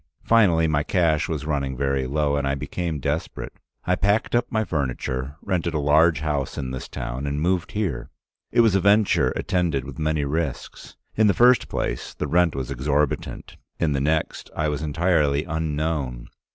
Finally my cash was running very low, and I became desperate. I packed up my furniture, rented a large house in this town and moved here. It was a venture attended with many risks. In the first place the rent was exorbitant, in the next I was entirely unknown.